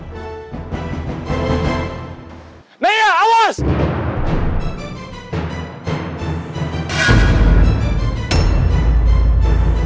tapi tetep aja aku harus waspada